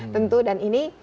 tentu dan ini